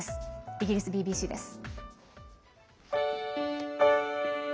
イギリスＢＢＣです。